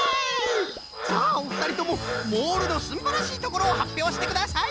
さあおふたりともモールのすんばらしいところをはっぴょうしてください！